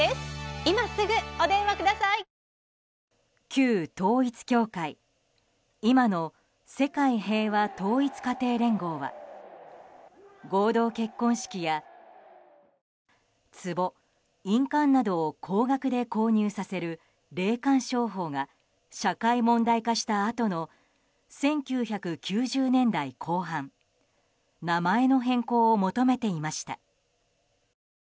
旧統一教会今の世界平和統一家庭連合は合同結婚式や、つぼ・印鑑などを高額で購入させる霊感商法が社会問題化したあとの１９９０年代後半名前の変更を求めていました。